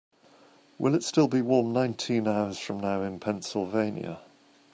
Will it still be warm nineteen hours from now in Pennsylvania